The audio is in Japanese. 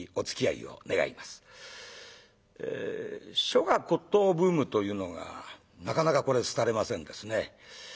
書画骨董ブームというのがなかなかこれ廃れませんですね。